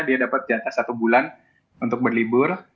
dia dapat jatah satu bulan untuk berlibur